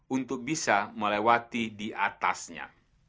untuk bisa melewati diatasnya